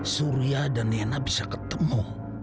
surya dan nena bisa ketemu